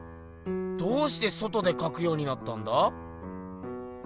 どうして外でかくようになったんだ？